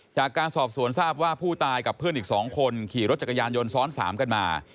จากการสอบสวนทราบว่าผู้ตายกับเพื่อนอีก๒คนขี่รถจักรยานยนต์ซ้อน๓กันมา